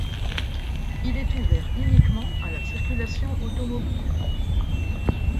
Il est ouvert uniquement à la circulation automobile.